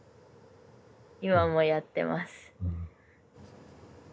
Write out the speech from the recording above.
今もやってます。